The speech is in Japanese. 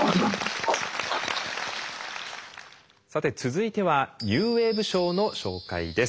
さて続いてはニューウェーブ賞の紹介です。